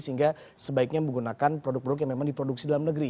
sehingga sebaiknya menggunakan produk produk yang memang diproduksi dalam negeri